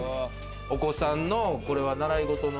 お子さんのこれは習い事の？